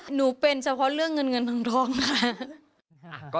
หนูเป็นเฉพาะเรื่องเงินเงินทองนะคะ